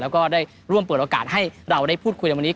แล้วก็ได้ร่วมเปิดโอกาสให้เราได้พูดคุยในวันนี้